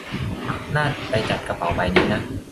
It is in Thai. น่าไปจัดกระเป๋าใบนี้นะ